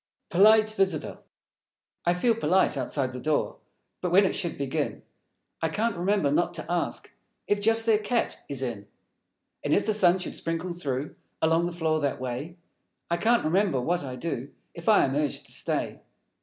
Polite Visitor I feel polite, outside the door; But when it should begin, I can't remember Not to ask If just their Cat is in. And if the Sun should sprinkle through Along the floor that way, I can't remember what I do If I am Urged to Stay.